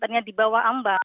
adanya di bawah ambang